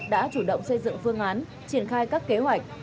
đã chủ động xây dựng phương án triển khai các kế hoạch